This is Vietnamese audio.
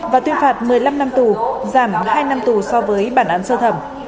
và tuyên phạt một mươi năm năm tù giảm hai năm tù so với bản án sơ thẩm